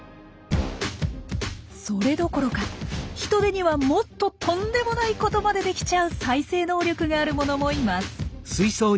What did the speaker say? それどころかヒトデにはもっととんでもないことまでできちゃう再生能力があるものもいます。